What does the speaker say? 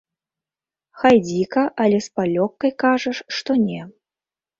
Хай дзіка, але з палёгкай кажаш, што не.